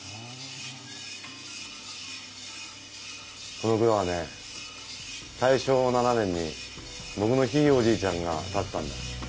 この蔵はね大正７年に僕のひいおじいちゃんが建てたんだよ。